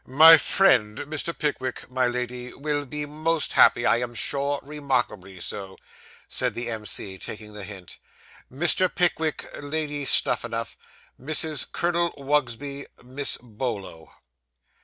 'My friend Mr. Pickwick, my Lady, will be most happy, I am sure, remarkably so,' said the M.C., taking the hint. 'Mr. Pickwick, Lady Snuphanuph Mrs. Colonel Wugsby Miss Bolo.